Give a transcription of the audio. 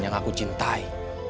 yang aku cintai